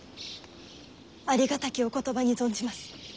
ありがたきお言葉に存じます。